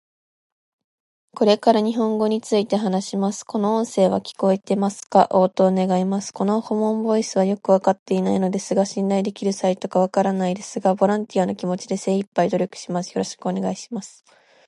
これから日本語について話します。この音声は聞こえてますか？応答願います。この顧問ボイスとはよく分かっていないのですが信頼できるサイトか分からないですが、ボランティアの気持ちで精いっぱい努力します。よろしくお願いいたします。